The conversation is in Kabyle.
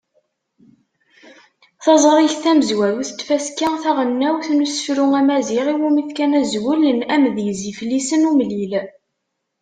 Taẓrigt tamezwarut n tfaska taɣelnawt n usefru amaziɣ iwumi fkan azwel n “Amedyez Iflisen Umellil”.